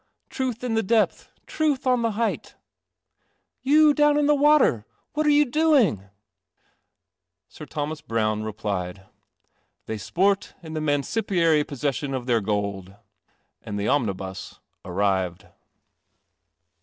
Truth in the depth, truth on the height." ■• Y u down In the water, what are you 5ii rh ma Browne replied : "Theysportin the mancipiary p □ ol their gold"; and the arrived.